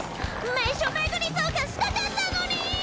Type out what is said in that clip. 名所巡りとかしたかったのに！